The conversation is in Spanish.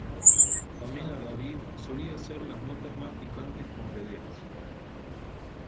Pamela David, solía hacer las notas más picantes con vedettes.